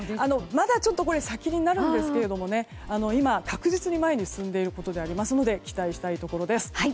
まだちょっと先になりますが今、確実に前に進んでいるところなので期待したいところです。